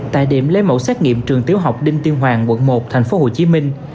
tại điểm lấy mẫu xét nghiệm trường tiểu học đinh tiên hoàng quận một thành phố hồ chí minh